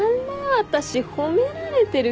私褒められてる？